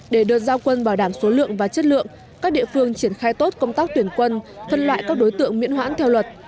để đợt giao quân bảo đảm số lượng và chất lượng các địa phương triển khai tốt công tác tuyển quân phân loại các đối tượng miễn hoãn theo luật